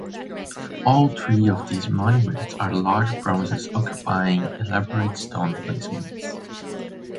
All three of these monuments are large bronzes occupying elaborate stone placements.